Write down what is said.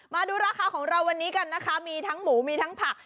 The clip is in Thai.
มาดูราคาของเราวันนี้กันนะคะมีทั้งหมูมีทั้งผัก